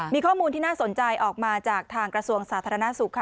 มีข้อมูลที่น่าสนใจออกมาจากทางกระทรวงสาธารณสุขค่ะ